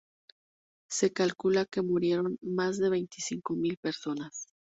Se calcula que murieron más de veinticinco mil personas.